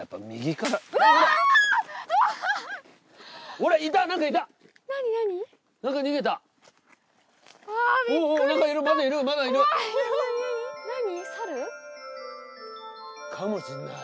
かもしんない。